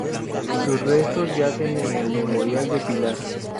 Sus restos yacen en el memorial de Pilar.